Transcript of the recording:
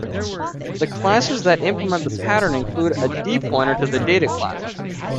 The classes that implement the pattern include a "d-pointer" to the data class.